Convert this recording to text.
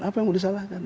apa yang mau disalahkan